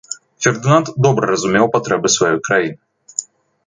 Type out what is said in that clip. Фердынанд добра разумеў патрэбы сваёй краіны.